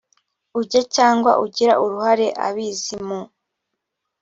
ujya cyangwa ugira uruhare abizi mu